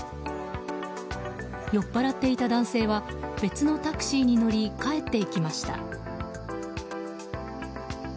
酔っぱらっていた男性は別のタクシーに乗り帰っていきました。